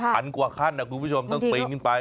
พันกว่าขั้นนะคุณผู้ชมต้องปีนขึ้นไป